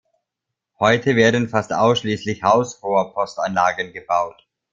Heute werden fast ausschließlich Haus-Rohrpostanlagen gebaut.